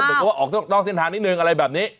แปลว่าออกซ่อนคล้องเส้นทางนิดนึงอะไรแบบนี้